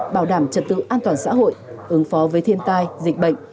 bảo đảm trật tự an toàn xã hội ứng phó với thiên tai dịch bệnh